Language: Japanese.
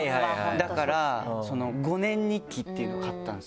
だから５年日記っていうのを買ったんですよ。